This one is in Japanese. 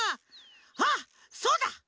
あっそうだ！